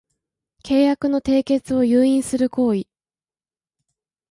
契約の締結を誘引する行為